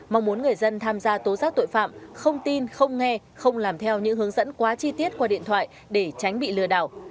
mong muốn người dân tham gia tố giác tội phạm không tin không nghe không làm theo những hướng dẫn quá chi tiết qua điện thoại để tránh bị lừa đảo